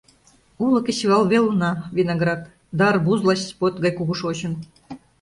Уло кечывалвел уна — виноград, да арбуз лач под гай кугу шочын.